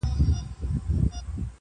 زما د فكر د ائينې شاعره .